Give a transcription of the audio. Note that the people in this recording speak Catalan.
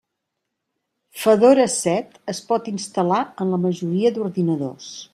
Fedora set es pot instal·lar en la majoria d'ordinadors.